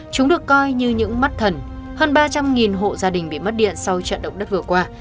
chúng được coi như những mắt thần hơn ba trăm linh hộ gia đình bị mất điện sau trận động đất vừa qua